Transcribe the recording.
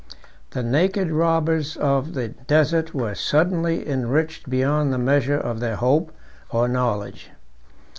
The naked robbers of the desert were suddenly enriched beyond the measure of their hope or knowledge.